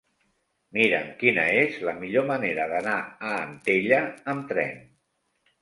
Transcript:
Mira'm quina és la millor manera d'anar a Antella amb tren.